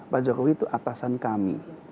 pak jokowi itu atasan kami